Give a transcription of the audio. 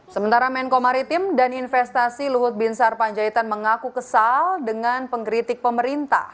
sementara menko maritim dan investasi luhut binsar panjaitan mengaku kesal dengan pengkritik pemerintah